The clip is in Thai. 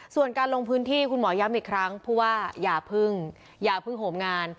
ส่วนการลงพื้นที่คุณหมอย้ำอีกครั้งเพราะว่าอย่าพึ่งอย่าเพิ่งโหมงาน